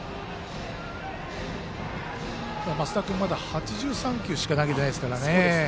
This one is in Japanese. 升田君はまだ８３球しか投げてないですからね。